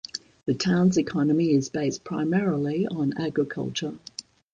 The town's economy is based primarily on agriculture.